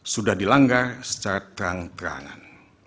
sudah dilanggar secara terang terangan